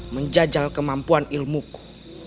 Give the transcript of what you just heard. menjajal kemampuan ilmuku